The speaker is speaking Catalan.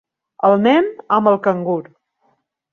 El nen amb el cangur.